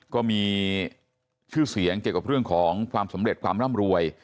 ก็มีชื่อเสียงเกี่ยวกับเรื่องของความสำเร็จความร่ำรวย